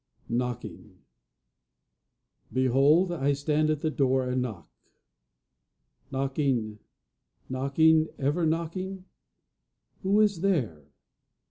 KNOCKING "Behold, I stand at the door and knock." Knocking, knocking, ever knocking? Who is there?